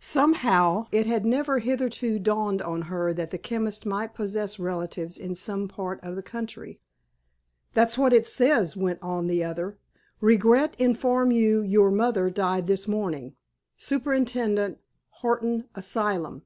Somehow, it had never hitherto dawned on her that the chemist might possess relatives in some part of the country. "That's what it says," went on the other. _"'Regret inform you your mother died this morning. Superintendent, Horton Asylum.